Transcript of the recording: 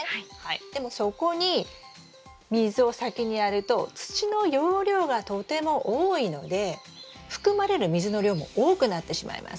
でもそこに水を先にやると土の容量がとても多いので含まれる水の量も多くなってしまいます。